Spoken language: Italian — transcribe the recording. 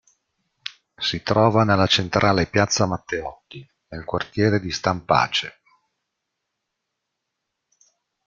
Si trova nella centrale piazza Matteotti, nel quartiere di Stampace.